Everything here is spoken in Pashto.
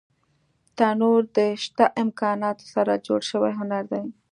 تنور د شته امکاناتو سره جوړ شوی هنر دی